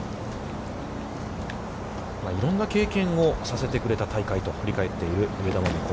いろんな経験をさせてくれた大会と、振り返っている上田桃子。